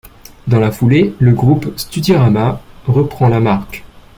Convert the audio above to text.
Dans la foulée, le groupe Studyrama reprend la marque.